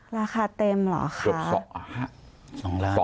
ราคาเต็มหรอครับ